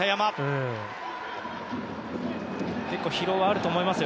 結構疲労はあると思いますよ